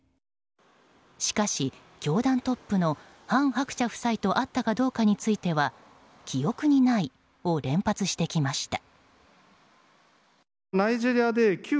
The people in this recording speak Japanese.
しかし、教団トップの韓鶴子夫妻と会ったかどうかについては記憶にないを連発してきました。